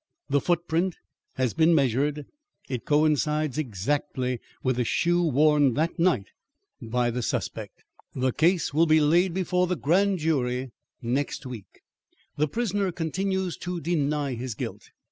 "The footprint has been measured. It coincides exactly with the shoe worn that night by the suspect. "The case will be laid before the Grand Jury next week." "The prisoner continues to deny his guilt.